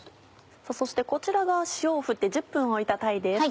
そしてこちらが塩を振って１０分おいた鯛です。